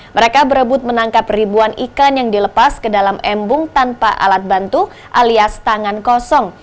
mereka berebut menangkap ribuan ikan yang dilepas ke dalam embung tanpa alat bantu alias tangan kosong